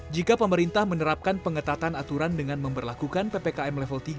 jika pemerintah menerapkan pengetatan aturan dengan memperlakukan ppkm level tiga